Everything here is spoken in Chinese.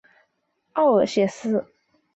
奥尔谢斯。